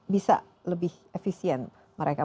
bisa lebih efisien mereka